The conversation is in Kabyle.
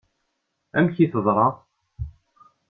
Amek i teḍṛa?